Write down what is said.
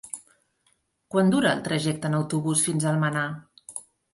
Quant dura el trajecte en autobús fins a Almenar?